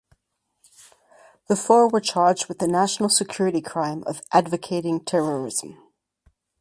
The four were charged with the national security crime of "advocating terrorism".